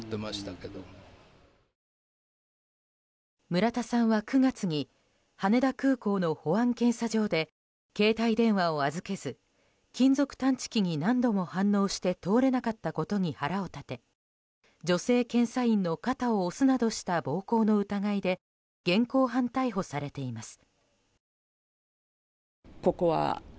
村田さんは９月に羽田空港の保安検査場で携帯電話を預けず金属探知機に何度も反応して通れなかったことに腹を立て女性検査員の肩を押すなどした暴行の疑いで現行犯逮捕されています。